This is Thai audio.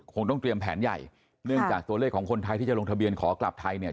คงต้องเตรียมแผนใหญ่เนื่องจากตัวเลขของคนไทยที่จะลงทะเบียนขอกลับไทยเนี่ย